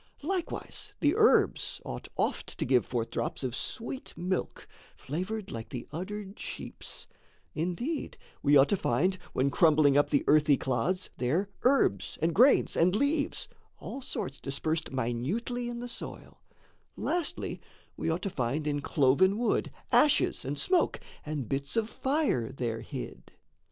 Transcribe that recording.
Likewise the herbs ought oft to give forth drops Of sweet milk, flavoured like the uddered sheep's; Indeed we ought to find, when crumbling up The earthy clods, there herbs, and grains, and leaves, All sorts dispersed minutely in the soil; Lastly we ought to find in cloven wood Ashes and smoke and bits of fire there hid.